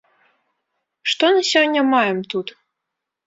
Што на сёння маем тут?